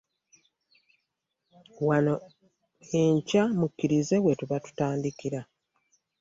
Wano enkya mukkirize we tuba tutandikira.